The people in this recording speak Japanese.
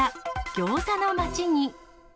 ギョーザの街に。